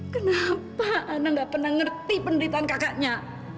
kenapa ana nggak pernah ngerti penderitaan kakaknya